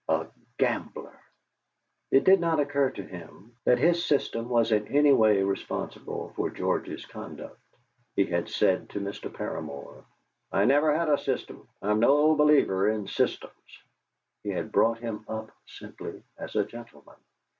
A gambler! It did not occur to him that his system was in any way responsible for George's conduct. He had said to Mr. Paramor: "I never had a system; I'm no believer in systems." He had brought him up simply as a gentleman.